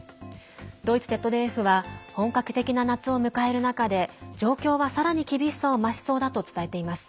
ドイツＺＤＦは本格的な夏を迎える中で状況は、さらに厳しさを増しそうだと伝えています。